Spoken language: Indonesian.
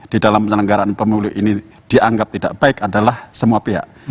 di dalam penyelenggaraan pemilu ini dianggap tidak baik adalah semua pihak